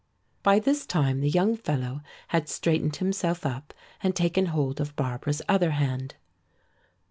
By this time the young fellow had straightened himself up and taken hold of Barbara's other hand.